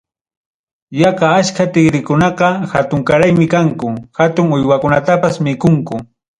Yaqa achka tigrikunaqa hatunkaraymi kanku, hatun uywakunatapas mikunku.